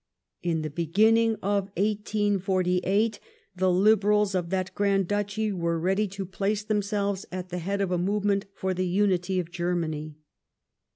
In the beginning of 1848 the Liberals of that Grand Duchy were ready to place themselves at the head of a movement foi the unity of Germany.